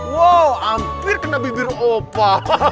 wow hampir kena bibir opa